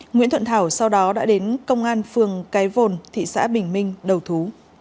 nguyễn thuận thảo sau đó đã đến công an phường cái vồn thị xã bình minh đầu thú